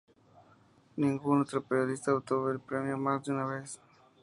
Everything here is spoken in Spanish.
Ningún otro periodista obtuvo el premio más de una vez.